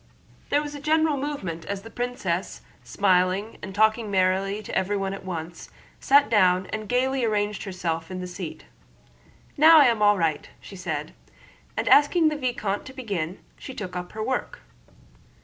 There was a general movement as the princess, smiling and talking merrily to everyone at once, sat down and gaily arranged herself in her seat. "Now I am all right," she said, and asking the vicomte to begin, she took up her work.